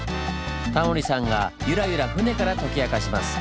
タモリさんがユラユラ船から解き明かします。